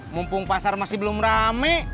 mumpung pasar masih belum rame